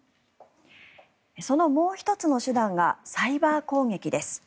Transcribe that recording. そのもう１つの手段がサイバー攻撃です。